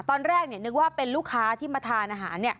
ตอนแรกนึกว่าเป็นลูกค้าที่มาทานอาหาร